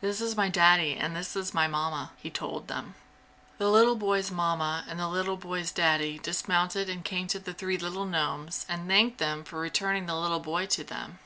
"This is my Daddy, and this is my Mamma!" he told them. The little boy's Mamma and the little boy's Daddy dismounted and came to the three little gnomes and thanked them for returning the little boy to them.